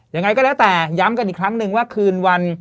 ยังไงก็แล้วแต่ย้ำกันอีกครั้งนึงว่าคืนวัน